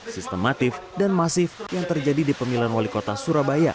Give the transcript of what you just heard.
sistematif dan masif yang terjadi di pemilihan wali kota surabaya